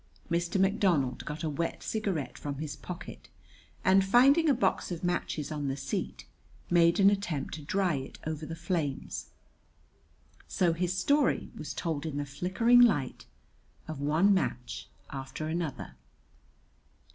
Mr. McDonald got a wet cigarette from his pocket and, finding a box of matches on the seat, made an attempt to dry it over the flames; so his story was told in the flickering light of one match after another.